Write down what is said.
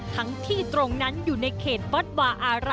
ทั้งที่ตรงนั้นอยู่ในเขตวัดวาอาระ